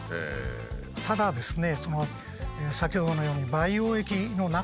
ただですね